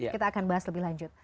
kita akan bahas lebih lanjut